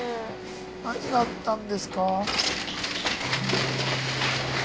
何があったんですか？